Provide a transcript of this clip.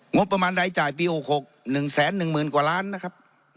งบประมาณรายจ่ายปีหกหกหนึ่งแสนหนึ่งหมื่นกว่าล้านนะครับ